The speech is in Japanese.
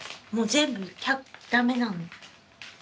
もう全部だめなの。